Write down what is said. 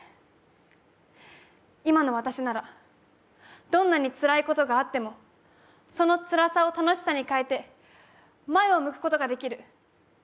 今の私なら、どんなにつらいことがあっても、そのつらさを楽しさに変えて、前を向くことができる。